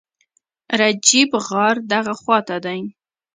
رجیب، غار دغه خواته دی.